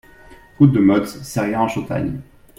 Route de Motz, Serrières-en-Chautagne